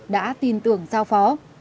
đã tin tưởng giao phó